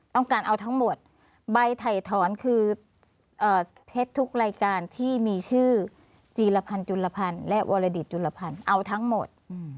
ต้องการเอาทั้งหมดใบถ่ายถอนคือเพชรทุกรายการที่มีชื่อจีรพันธ์จุลพันธ์และวรดิตจุลพันธ์เอาทั้งหมด